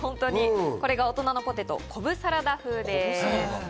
これが、大人のポテトコブサラダ風です。